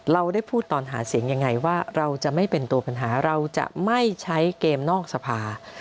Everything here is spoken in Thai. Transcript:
เราได้พูดตอนหาเสียงยังไงว่าเราจะไม่เป็นตัวปัญหาเราจะไม่ใช้เกมนอกสภา